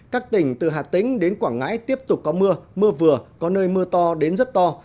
các tỉnh từ hà tĩnh đến quảng ngãi tiếp tục có mưa mưa vừa có nơi mưa to đến rất to